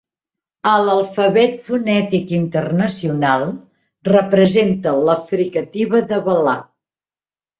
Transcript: A l'Alfabet Fonètic Internacional, representa la fricativa de velar.